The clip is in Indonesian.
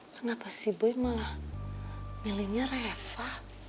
kenapa si bui malah milihnya reva